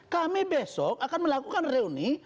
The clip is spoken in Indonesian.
kami besok akan melakukan reuni